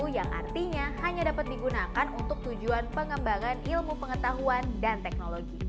yang artinya hanya dapat digunakan untuk tujuan pengembangan ilmu pengetahuan dan teknologi